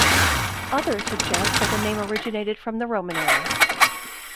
Others suggest that the name originated from the Roman era.